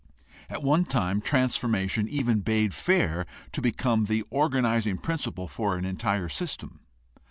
At one time it even bade fair to become the organizing prin ciple for an entire system.